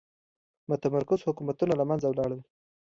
متمرکز حکومتونه له منځه لاړل.